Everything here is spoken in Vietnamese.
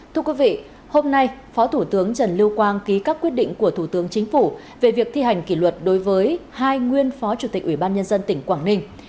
thưa quý vị hôm nay phó thủ tướng trần lưu quang ký các quyết định của thủ tướng chính phủ về việc thi hành kỷ luật đối với hai nguyên phó chủ tịch ubnd tỉnh quảng ninh